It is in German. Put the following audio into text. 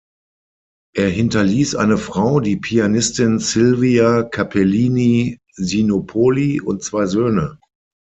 Er hinterließ eine Frau, die Pianistin Silvia Cappellini Sinopoli, und zwei Söhne.